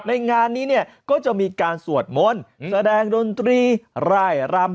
ในงานนี้เนี่ยก็จะมีการสวดมนต์แสดงดนตรีร่ายรำ